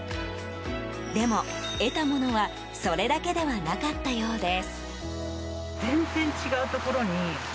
でも、得たものはそれだけではなかったようです。